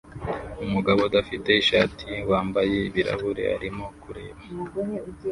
Umugabo udafite ishati wambaye ibirahure arimo kureba